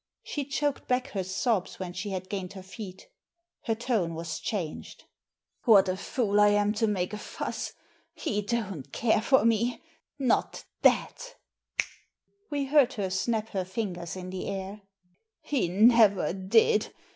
She choked back her sobs when she had gained her feet Her tone was changed. What a fool I am to make a fuss. He don't care for me — ^not that" We heard her sn^ her fingers in the air. " He never did.